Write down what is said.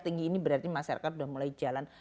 tinggi ini berarti masyarakat sudah mulai jalan